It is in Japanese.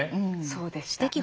そうでした。